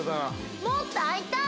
もっと会いたい。